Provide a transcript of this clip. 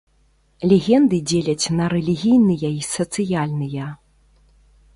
Легенды дзеляць на рэлігійныя і сацыяльныя.